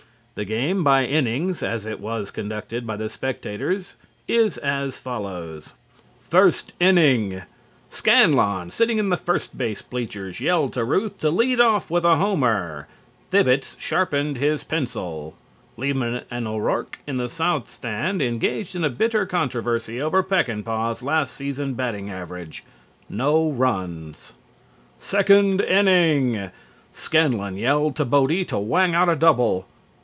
The game by innings as it was conducted by the spectators is as follows: FIRST INNING: Scanlon, sitting in the first base bleachers, yelled to Ruth to lead off with a homer. Thibbets sharpened his pencil. Liebman and O'Rourke, in the south stand, engaged in a bitter controversy over Peckingpaugh's last season batting average. NO RUNS. SECOND INNING: Scanlon yelled to Bodie to to whang out a double.